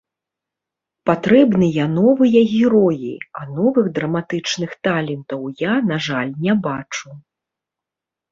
Патрэбныя новыя героі, а новых драматычных талентаў я, на жаль, не бачу.